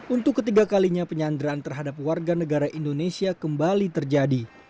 untuk ketiga kalinya penyanderaan terhadap warga negara indonesia kembali terjadi